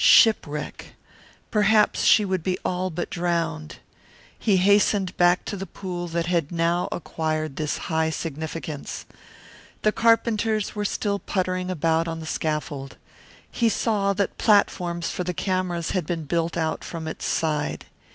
Shipwreck! Perhaps she would be all but drowned. He hastened back to the pool that had now acquired this high significance. The carpenters were still puttering about on the scaffold. He saw that platforms for the cameras had been built out from its side.